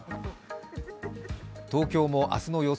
東京も明日の予想